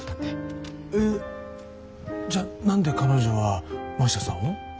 じゃあ何で彼女は真下さんを？